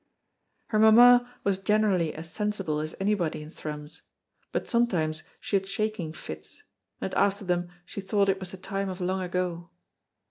Her mamma was generally as sensible as anybody in Thrums, but sometimes she had shaking fits, and after them she thought it was the time of long ago.